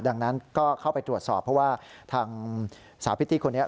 ดังนั้นก็เข้าไปตรวจสอบเพราะว่าทางสาวพิตตี้คนนี้